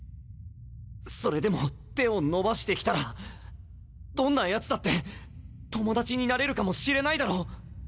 それでも手を伸ばしてきたらどんな奴だって友達になれるかもしれないだろ？